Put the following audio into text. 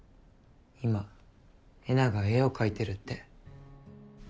今えなが絵を描いてるって。